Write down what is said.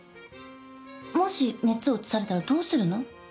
もし熱をうつされたらどうするの？